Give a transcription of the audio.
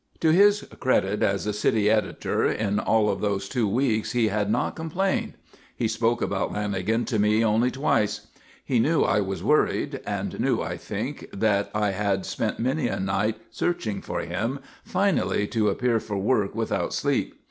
To his credit as a city editor, in all of those two weeks he had not complained. He spoke about Lanagan to me only twice. He knew I was worried, and knew, I think, that I had spent many a night searching for him, finally to appear for work without sleep.